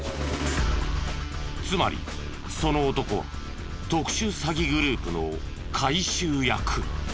つまりその男は特殊詐欺グループの回収役。